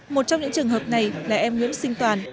một trong những trường hợp này là em nguyễn sinh toàn